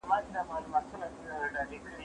زه به بوټونه پاک کړي وي.